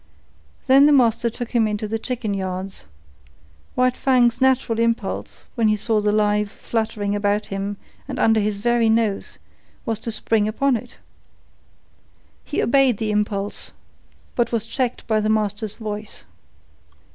Then the master took him into the chicken yards. White Fang's natural impulse, when he saw the live food fluttering about him and under his very nose, was to spring upon it. He obeyed the impulse, but was checked by the master's voice.